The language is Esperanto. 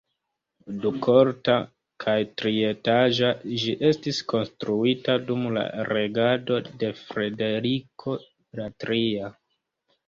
Dukorta kaj trietaĝa, ĝi estis konstruita dum la regado de Frederiko la Tria.